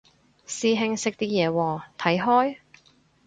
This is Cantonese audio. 師兄識啲嘢喎，睇開？